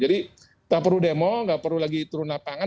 jadi tak perlu demo nggak perlu lagi turun lapangan